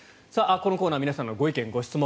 このコーナーでは皆さんのご意見・ご質問